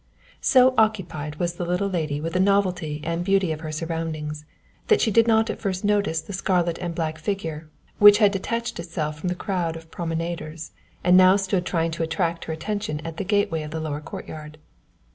So occupied was the little lady with the novelty and beauty of her surroundings, that she did not at first notice the scarlet and black figure which had detached itself from the crowd of promenaders and now stood trying to attract her attention at the gateway of the lower courtyard.